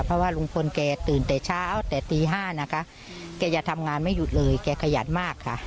เพราะว่าลุงพลแกตื่นแต่เช้าแต่ตี๕นะคะแกจะทำงานไม่หยุดเลยแกขยันมากค่ะ